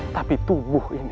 tapi tubuh ini